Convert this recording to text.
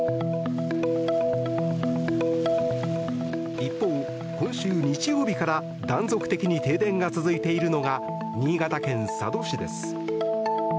一方、今週日曜日から断続的に停電が続いているのが新潟県佐渡市です。